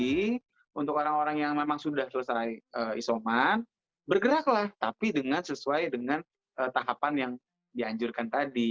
jadi untuk orang orang yang memang sudah selesai isoman bergeraklah tapi dengan sesuai dengan tahapan yang dianjurkan tadi